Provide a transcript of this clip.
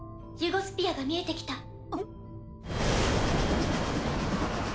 ユゴスピアが見えてきた。